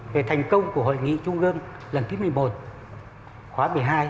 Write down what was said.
về thành công của hội nghị chung gương lần thứ một mươi một khóa một mươi hai